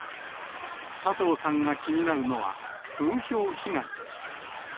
佐藤さんが気になるのは、風評被害です。